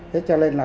thế cho lên là